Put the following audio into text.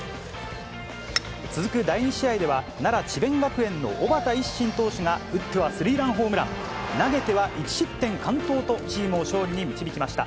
続く第２試合では、奈良・智弁学園の小畠一心投手が、打ってはスリーランホームラン、投げては１失点完投と、チームを勝利に導きました。